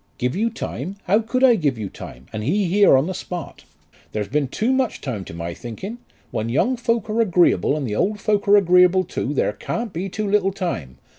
"Give you time! How could I give you time, and he here on the spot? There's been too much time to my thinking. When young folk are agreeable and the old folk are agreeable too, there can't be too little time.